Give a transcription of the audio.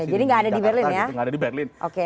jadi gak ada di berlin ya